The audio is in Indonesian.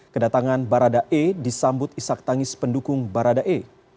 kedatangan barada e disambut isak tangis pendukung barada e